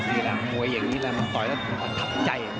ดีแล้วมวยอย่างนี้เลยมันต่อยแล้วอธับใจ